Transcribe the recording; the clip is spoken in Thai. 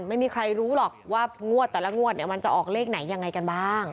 ไม่มีใครรู้หรอกว่างวดแต่ละงวดเนี่ยมันจะออกเลขไหนยังไงกันบ้าง